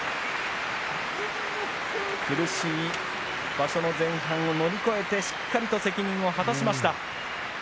苦しい場所の前半を乗り越えてしっかりと責任を果たしました。